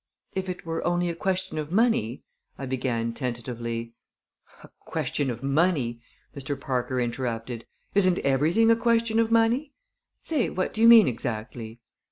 "If it were only a question of money " I began tentatively. "A question of money!" Mr. Parker interrupted. "Isn't everything a question of money? Say, what do you mean exactly?"